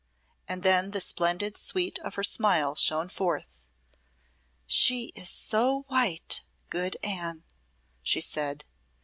And then the splendid sweet of her smile shone forth. "She is so white good Anne," she said.